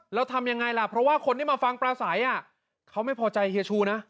แล้วทำยังไงล่ะเพราะว่าคนที่มาฟังปลาใสเขาไม่พอใจเฮียชูนะ